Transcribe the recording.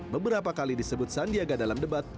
beberapa kali disebut sandiaga dalam debat